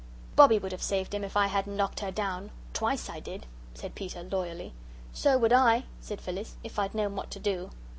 "Bobbie would have saved him if I hadn't knocked her down; twice I did," said Peter, loyally. "So would I," said Phyllis, "if I'd known what to do."